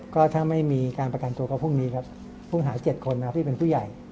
ก็ถ้าไม่มีการประกันตัวก็พรุ่งนี้ครับผู้หาย๗คนนะครับที่เป็นผู้ใหญ่